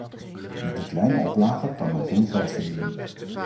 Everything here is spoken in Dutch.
Met een kleine oplage kan men geen geld verdienen.